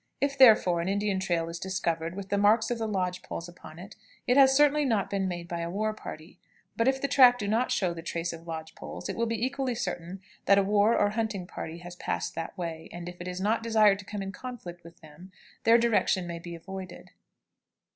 If, therefore, an Indian trail is discovered with the marks of the lodge poles upon it, it has certainly not been made by a war party; but if the track do not show the trace of lodge poles, it will be equally certain that a war or hunting party has passed that way, and if it is not desired to come in conflict with them, their direction may be avoided.